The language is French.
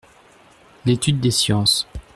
L’étude des sciences.